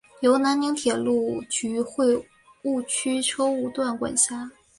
由南宁铁路局梧州车务段管辖。